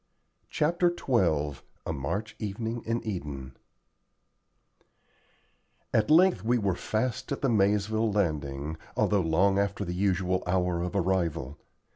CHAPTER XII A MARCH EVENING IN EDEN At length we were fast at the Maizeville Landing, although long after the usual hour of arrival.